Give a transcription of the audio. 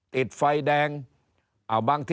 ติดไฟแดง